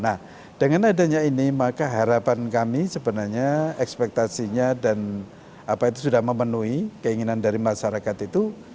nah dengan adanya ini maka harapan kami sebenarnya ekspektasinya dan apa itu sudah memenuhi keinginan dari masyarakat itu